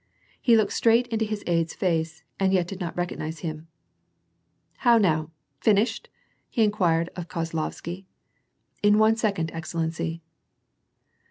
He looked straight into his aide's face and yet did not recognize him. "How now ! Finished ?" he inquired of Kozlovsky. " In one second, excellency."